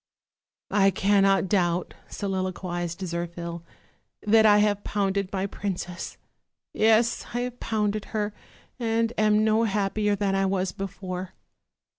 "I cannot doubt," soliloquized Zirphil, "that I have pounded my princess; yes, I have pounded her, and am no happier than I was before.